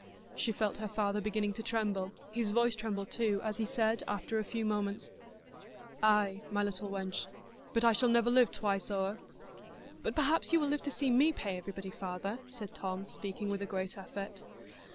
She felt her father beginning to tremble; his voice trembled too, as he said, after a few moments: "Ay, my little wench, but I shall never live twice o'er." "But perhaps you will live to see me pay everybody, father," said Tom, speaking with a great effort.